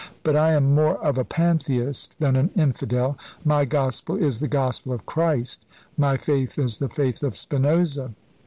But I am more of a Pantheist than an infidel my gospel is the gospel of Christ my faith is the faith of Spinoza."